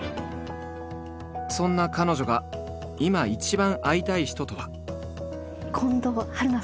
そんな彼女が今一番会いたい人とは？